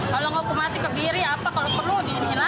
kalau nggak hukum mati kebiri apa